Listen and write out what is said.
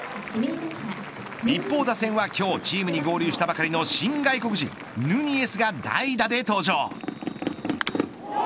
一方打線は今日チームに合流したばかりの新外国人ヌニエスが代打で登場。